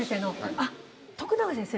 あっ徳永先生？